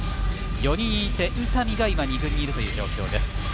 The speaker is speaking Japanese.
４人いて、宇佐見が今二軍にいるという状況です。